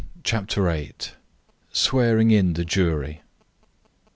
CHAPTER VIII. SWEARING IN THE JURY.